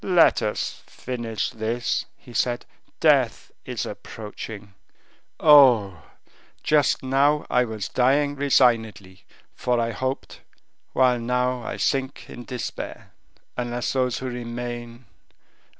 "Let us finish this," he said; "death is approaching. Oh! just now I was dying resignedly, for I hoped... while now I sink in despair, unless those who remain...